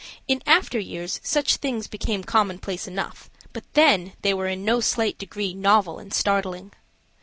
In after years such things became commonplace enough, but then they were in no slight degree novel and startling.